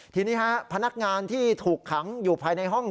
ทีนี้ฮะพนักงานที่ถูกขังอยู่ภายในห้อง